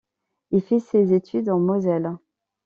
Il fait ses études en Moselle.